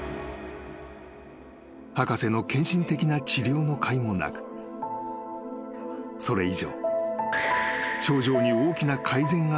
［博士の献身的な治療のかいもなくそれ以上］